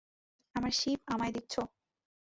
আমার শিপ আমায় দিচ্ছ?